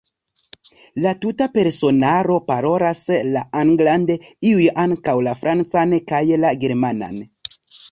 La tuta personaro parolas la anglan, iuj ankaŭ la francan kaj la germanan.